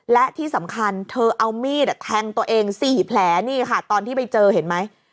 และที่สำคัญเธอเอามีดแทงตัวเอง๔แผลนี่ค่ะตอนที่ไปเจอเห็นไหม